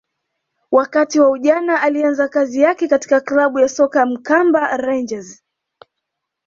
wakati wa ujana alianza kazi yake katika klabu ya soka ya Mkamba rangers